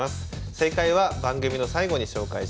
正解は番組の最後に紹介します。